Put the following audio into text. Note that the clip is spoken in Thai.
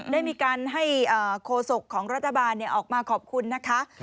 ได้มีการให้โคศกของรัฐบาลออกมาขอบคุณนะคะ